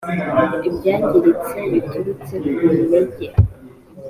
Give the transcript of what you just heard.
ibyangiritse biturutse ku nenge